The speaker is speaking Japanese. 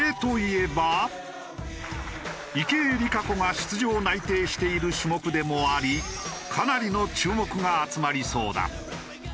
池江璃花子が出場を内定している種目でもありかなりの注目が集まりそうだ。